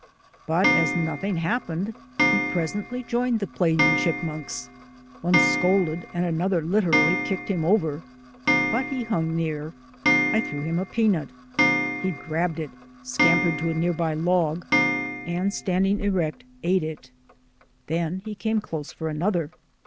But as nothing hap pened he presently joined the playing chipmunks. One scolded and another literally kicked him over, but he hung near. I threw him a peanut. He grabbed it, scampered to a near by log and, standing erect, ate it. Then he came close for another.